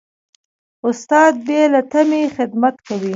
استاد بې له تمې خدمت کوي.